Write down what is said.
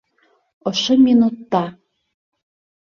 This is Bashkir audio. Ошо минутта.